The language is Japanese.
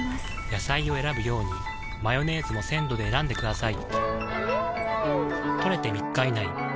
野菜を選ぶようにマヨネーズも鮮度で選んでくださいん！